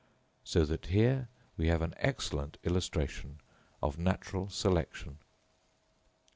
So that here we have an excellent illustration of natural selection.